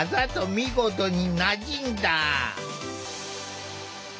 見事になじんだ。